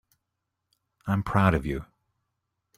I'm proud of you.